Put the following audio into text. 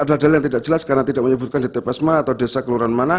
ada yang tidak jelas karena tidak menyebutkan di tpsma atau desa kelurahan mana